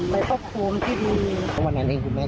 เห็นลูกแล้วสู้ลัก